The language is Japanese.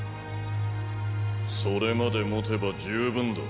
それまで持てば十分だ。